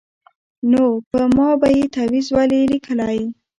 نو په ما به یې تعویذ ولي لیکلای